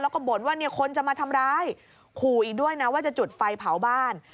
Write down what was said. แล้วก็บ่นว่าเนี่ยคนจะมาทำร้ายขู่อีกด้วยนะว่าจะจุดไฟเผาบ้าน